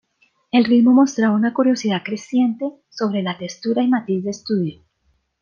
El ritmo mostraba una curiosidad creciente sobre la textura y matiz de estudio".